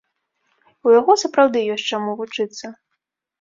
У яго сапраўды ёсць чаму вучыцца.